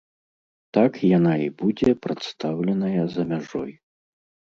Так яна і будзе прадстаўленая за мяжой.